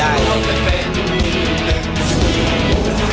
การที่จะเขียนเพลงนี้ใช่ไหม